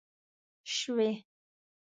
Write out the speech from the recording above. شوې